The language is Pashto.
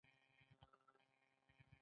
علم ګټور دی.